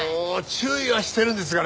注意はしてるんですがね。